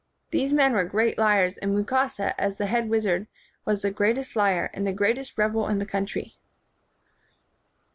These men were great liars, and Mukasa, as the head wizard, was the greatest liar, and the greatest rebel in the country.